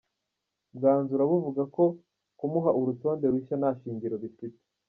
Bwanzura buvuga ko kumuha urutonde rushya nta shingiro bifite.